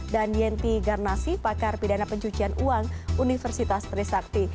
dan yenti garnasi pakar pidana pencucian uang universitas trisakti